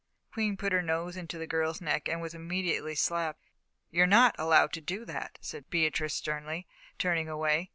Queen put her nose into the girl's neck and was immediately slapped. "You're not allowed to do that," said Beatrice, sternly, turning away.